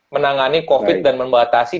menangani covid dan membatasi